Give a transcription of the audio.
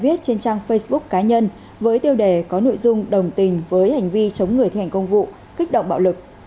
bài viết trên trang facebook cá nhân với tiêu đề có nội dung đồng tình với hành vi chống người thành công vụ kích động bạo lực